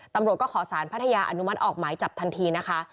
ให้อธิบายยานุมัติออกหมายจับทันทีนะคะ